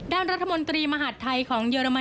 ด้านรัฐมนตรีมหัฐไทยของเยอรมนีกล่าวว่า